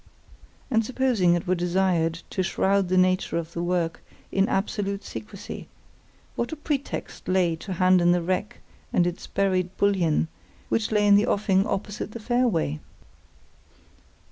And supposing it were desired to shroud the nature of the work in absolute secrecy, what a pretext lay to hand in the wreck and its buried bullion, which lay in the offing opposite the fairway!